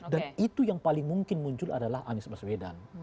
dan itu yang paling mungkin muncul adalah anies baswedan